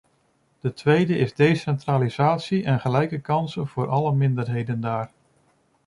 De tweede is decentralisatie en gelijke kansen voor alle minderheden daar.